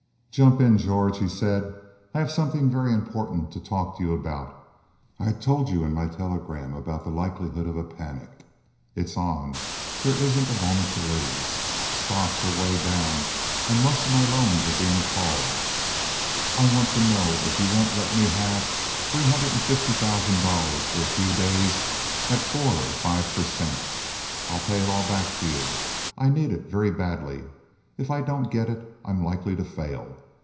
"Jump in, George," he said. "I have something very important to talk to you about. I told you in my telegram about the likelihood of a panic. It's on. There isn't a moment to lose. Stocks are way down, and most of my loans are being called. I want to know if you won't let me have three hundred and fifty thousand dollars for a few days at four or five per cent. I'll pay it all back to you. I need it very badly. If I don't get it I'm likely to fail.